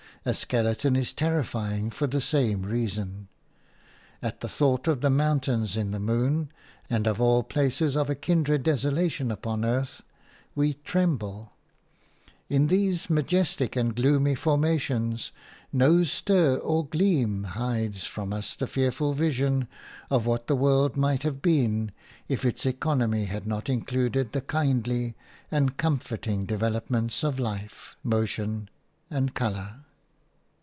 A skeleton is terrifying for the same reason. At the thought of the mountains in the moon, and of all places of a kindred desolation upon earth, we tremble; in these majestic and gloomy formations no stir or gleam hides from us the fearful vision of what the world might have been if its economy had not included the kindly and comforting developments of life – motion and colour.